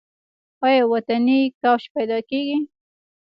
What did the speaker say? آیا وطني کوچ پیدا کیږي؟